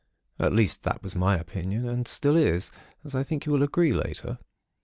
At least, that was my opinion; and is still, as I think you will agree later.